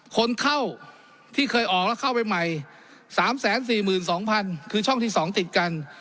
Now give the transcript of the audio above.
คนเข้าที่เคยออกแล้วเข้าไปใหม่๓๔๒๐๐๐คือช่องที่๒ติดกัน